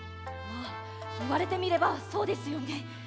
まあいわれてみればそうですよね。